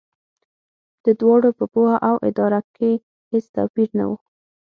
د دواړو په پوهه او اراده کې هېڅ توپیر نه و.